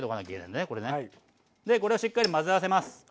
でこれをしっかり混ぜ合わせます。